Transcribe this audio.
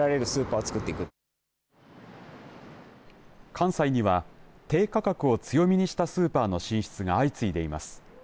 関西には低価格を強みにしたスーパーの進出が相次いでいます。